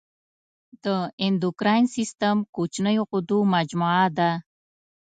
د اندوکراین سیستم کوچنیو غدو مجموعه ده.